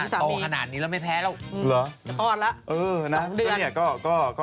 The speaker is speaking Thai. โตขนาดนี้แล้วไม่แพ้จะอ้อนล่ะ๒เดือน